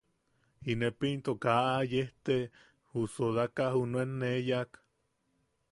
Inepo into kaa aa yejte, ju sodataka junuen nee yaak.